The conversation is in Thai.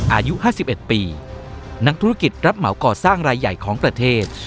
อายุ๕๑ปีนักธุรกิจรับเหมาก่อสร้างรายใหญ่ของประเทศ